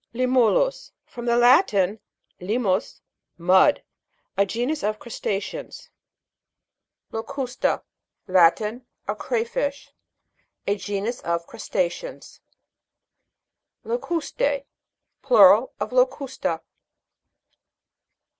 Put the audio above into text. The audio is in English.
LI'MULUS. From the Latin, limits, mud. A genus of crusta'ceans. LOCUS'TA. Latin. A cray fish. A genus of crusta'ceans. LOCUS'T^E. Plural of Locusta.